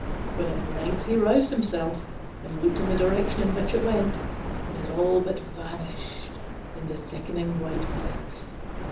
When at length he roused himself, and looked in the direction in which it went, it had all but vanished in the thickening white mist.